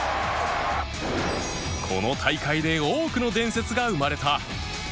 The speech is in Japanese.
この大会で多くの伝説が生まれた